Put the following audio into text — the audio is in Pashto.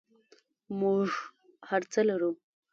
موږ هر څه لرو